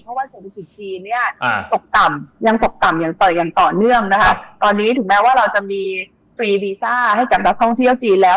เพราะว่าเศรษฐกิจจีนเนี่ยตกต่ำยังตกต่ำยังต่อยอย่างต่อเนื่องนะคะตอนนี้ถึงแม้ว่าเราจะมีฟรีวีซ่าให้กับนักท่องเที่ยวจีนแล้ว